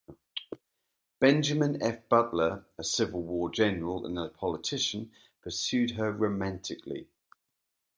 Benjamin F. Butler, a Civil War general and a politician, pursued her romantically.